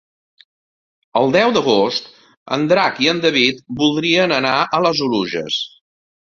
El deu d'agost en Drac i en David voldrien anar a les Oluges.